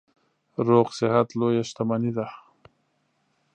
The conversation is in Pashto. روغ صحت لویه شتنمي ده.